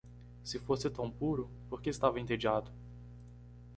Se fosse tão puro, por que estava entediado?